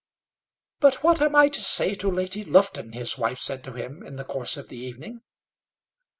"But what am I to say to Lady Lufton?" his wife said to him, in the course of the evening.